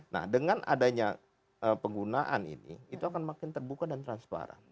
nah dengan adanya penggunaan ini itu akan makin terbuka dan transparan